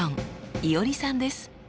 いおりさんです。